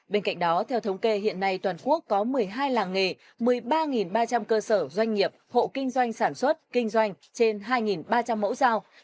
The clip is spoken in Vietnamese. bên cạnh đó theo thống kê hiện nay toàn quốc có một mươi hai làng nghề một mươi ba ba trăm linh cơ sở doanh nghiệp hộ kinh doanh sản xuất kinh doanh trên hai ba trăm linh mẫu dao